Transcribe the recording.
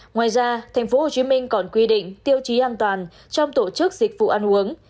ngoài ra tp hcm còn quy định tiêu chí an toàn trong tổ chức dịch vụ ăn uống